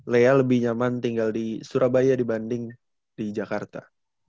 lea lebih nyaman tinggal di surabaya dibanding di jakarta